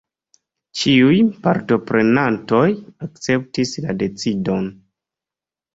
Ĉiuj partoprenantoj akceptis la decidon.